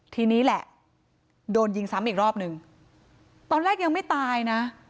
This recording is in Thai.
ทีนี้แหละโดนยิงซ้ำอีกรอบหนึ่งตอนแรกยังไม่ตายนะ